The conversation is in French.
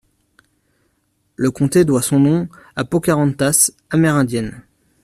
Le comté doit son nom à Pocahontas, amérindienne.